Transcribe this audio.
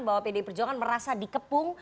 bahwa pdi perjuangan merasa dikepung